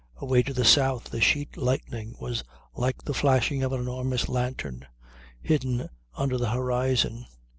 Away to the south the sheet lightning was like the flashing of an enormous lantern hidden under the horizon.